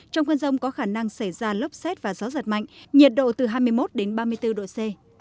trong cơn rông có khả năng xảy ra lốc xét và gió giật mạnh nhiệt độ từ hai mươi một đến ba mươi bốn độ c